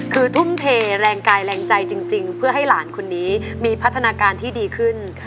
คือทุ่มเทแรงกายแรงใจจริงเพื่อให้หลานคนนี้มีพัฒนาการที่ดีขึ้น